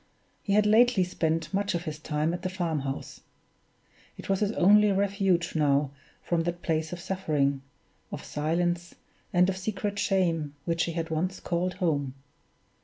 He had lately spent much of his time at the farm house; it was his only refuge now from that place of suffering, of silence, and of secret shame, which he had once called home!